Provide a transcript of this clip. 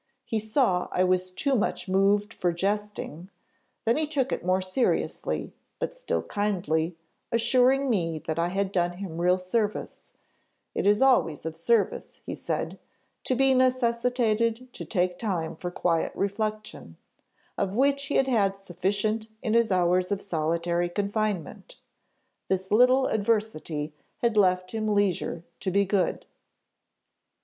He saw I was too much moved for jesting, then he took it more seriously, but still kindly, assuring me that I had done him real service; it is always of service, he said, to be necessitated to take time for quiet reflection, of which he had had sufficient in his hours of solitary confinement this little adversity had left him leisure to be good.